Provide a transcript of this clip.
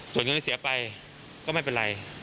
ส่วนเงินที่เสียไปก็ไม่เป็นไร